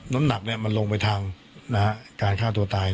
น้ำหนักมันลงไปทางการฆ่าตัวตาย